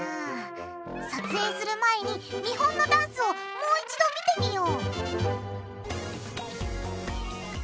撮影する前に見本のダンスをもう一度見てみよう！